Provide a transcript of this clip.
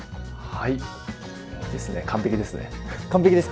はい。